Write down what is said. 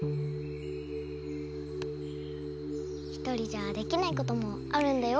一人じゃできないこともあるんだよ。